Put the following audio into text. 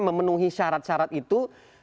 memenuhi syarat syarat itu